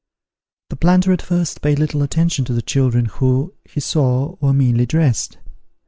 The planter at first paid little attention to the children, who, he saw, were meanly dressed.